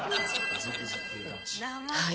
はい。